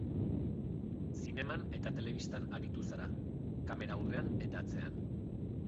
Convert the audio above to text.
Zineman eta telebistan aritu zara, kamera aurrean eta atzean.